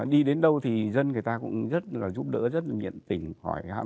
đi đến đâu thì dân người ta cũng rất là giúp đỡ rất là nhiện tình